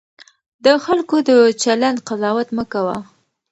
د خلکو د چلند قضاوت مه کوه.